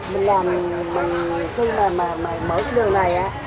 mình làm mình mở cái đường này á